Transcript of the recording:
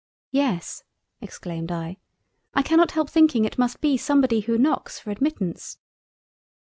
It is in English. "Yes (exclaimed I) I cannot help thinking it must be somebody who knocks for admittance."